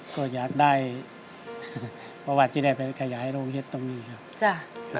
ก็อยากได้ประวัติที่ได้ไปขยายโรงเห็ดตรงนี้ครับ